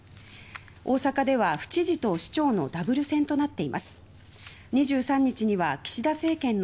大阪では府知事と市長のダブル選となっています。